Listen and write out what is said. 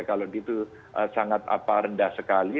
kalau itu sangat rendah sekali